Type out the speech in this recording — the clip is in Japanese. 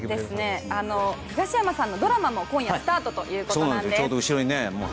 東山さんのドラマも今夜スタートということです。